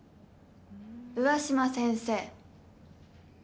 上嶋先生！